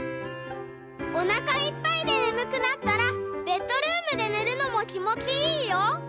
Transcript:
「おなかいっぱいでねむくなったらベッドルームでねるのもきもちいいよ。